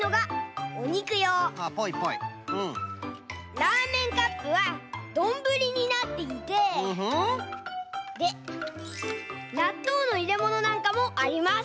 ラーメンカップはどんぶりになっていてでなっとうのいれものなんかもあります。